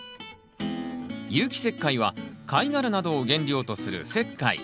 有機石灰は貝殻などを原料とする石灰。